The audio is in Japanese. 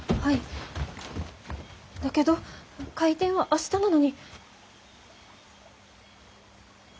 だけど開店は明日なのに。